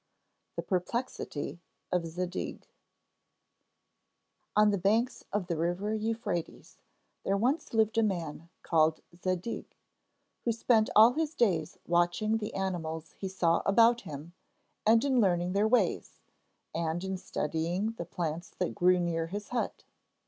THE PERPLEXITY OF ZADIG On the banks of the river Euphrates there once lived a man called Zadig, who spent all his days watching the animals he saw about him and in learning their ways, and in studying the plants that grew near his hut.